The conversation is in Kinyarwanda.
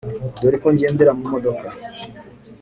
Dore ko ngendera mu modoka